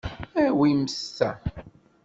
Awim ta.